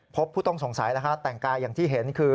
พบผู้ต้องสงสัยแล้วค่ะแต่งกายอย่างที่เห็นคือ